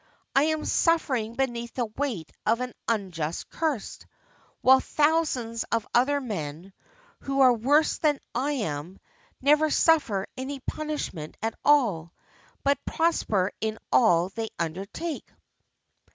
I am suffering beneath the weight of an unjust curse, while thousands of other men, who are worse than I am, never suffer any punishment at all, but prosper in all they undertake.